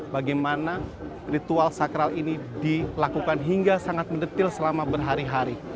bagaimana ritual sakral ini dilakukan hingga sangat mendetil selama berhari hari